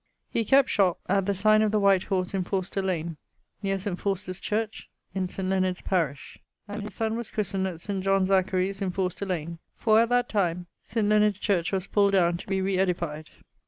He kept shop at the signe of the White horse in Forster lane near St. Forster's church in St. Leonard's parish; and was christened at St. John Zacharie's in Forster lane, for at that time St. Leonard's church was pulled downe to be re edified.